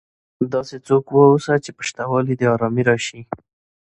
داسي څوک واوسه، چي په سته والي دي ارامي راسي.